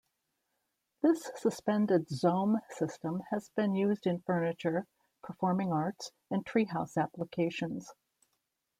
This suspended zome system has been used in furniture, performing arts, and treehouse applications.